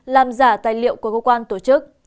làm giả tài liệu của cơ quan tổ chức